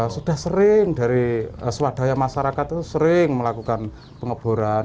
sudah sering dari swadaya masyarakat itu sering melakukan pengeboran